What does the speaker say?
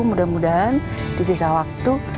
mudah mudahan di sisa waktu